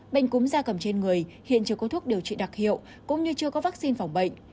bệnh cúm da cầm trên người hiện chưa có thuốc điều trị đặc hiệu cũng như chưa có vaccine phòng bệnh